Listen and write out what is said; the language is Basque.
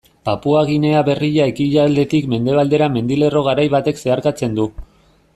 Papua Ginea Berria ekialdetik mendebaldera mendilerro garai batek zeharkatzen du.